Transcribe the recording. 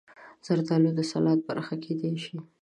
زردالو د سلاد برخه کېدای شي.